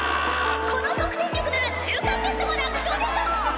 この得点力なら中間テストも楽勝でしょう！